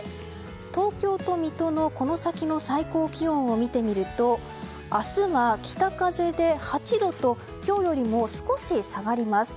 東京と水戸のこの先の最高気温を見てみると明日は北風で８度と今日よりも少し下がります。